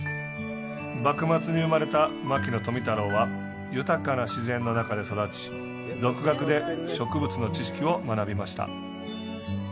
幕末に生まれた牧野富太郎は、豊かな自然の中で育ち、独学で植物の知識を学びました。